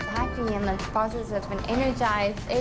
ใครที่ฉันพิธีถึงคุณ